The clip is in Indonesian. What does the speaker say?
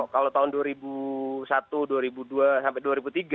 kalau tahun dua ribu satu dua ribu dua sampai dua ribu tiga